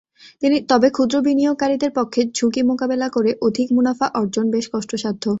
তবে ক্ষুদ্র বিনিয়োগকারীদের পক্ষে ঝুঁকি মোকাবিলা করে অধিক মুনাফা অর্জন বেশ কষ্টসাধ্য।